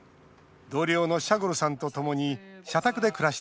同僚のシャゴルさんとともに社宅で暮らしています。